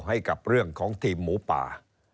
ให้กับเรื่องของทีมหมูป่า